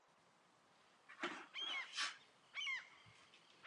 Jedinou členskou organizací z České republiky jsou Mladí sociální demokraté.